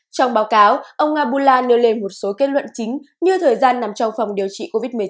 trong báo cáo ông abula nêu lên một số kết luận chính như thời gian nằm trong phòng điều trị covid một mươi chín